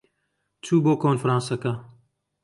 چوو بۆ کۆنفرانسەکە.